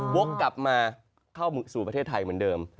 วกกลับมาเข้าสู่ประเทศไทยเหมือนเดิม